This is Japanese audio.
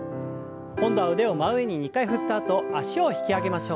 今度は腕を真上に２回振ったあと脚を引き上げましょう。